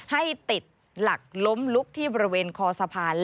ให้ติดหลักล้มลุกที่บริเวณคอสะพาน